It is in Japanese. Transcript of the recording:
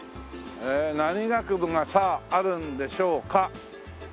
何学部がさああるんでしょうか？